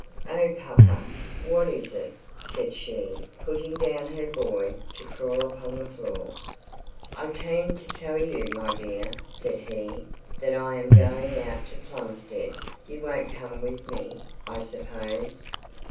'Oh, papa, what is it?' said she, putting down her boy to crawl upon the floor. 'I came to tell you, my dear,' said he, 'that I am going out to Plumstead: you won't come with me, I suppose?'